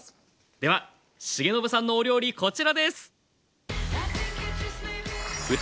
では重信さんのお料理こちらです！